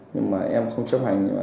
nhưng mà em không chấp hành